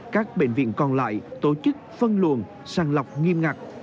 các bệnh viện còn lại tổ chức phân luồn sàng lọc nghiêm ngặt